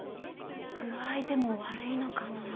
具合でも悪いのかな。